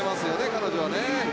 彼女はね。